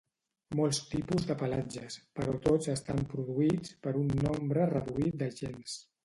Molts tipus de pelatges però tots estan produïts per un nombre reduït de gens